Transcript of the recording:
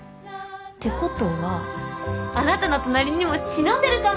てことはあなたの隣にも忍んでるかも。